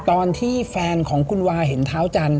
ตอนที่แฟนของคุณวาเห็นเท้าจันท